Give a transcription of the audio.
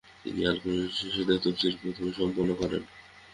তিনি আল কুরআনের শেষার্ধের তাফসির প্রথমে সমপন্ন করেন ।